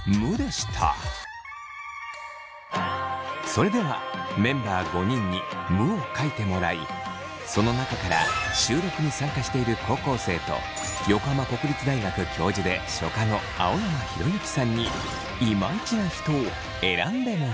それではメンバー５人に「む」を書いてもらいその中から収録に参加している高校生と横浜国立大学教授で書家の青山浩之さんにいまいちな人を選んでもらいます。